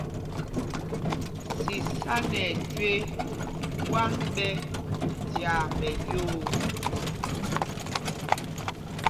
Sisána ɛ jüe ɓwán ɓɛ̄ tyaa mɛlyoo.